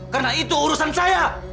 karena itu urusan saya